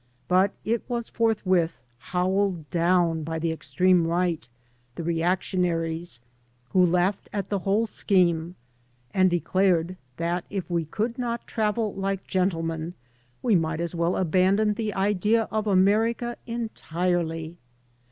But it was forthwith howled down by the extreme right, the reactionaries, who laughed at the whole scheme and declared that if we could not travd like gentlemen we might as well abandon the idea of America entirely.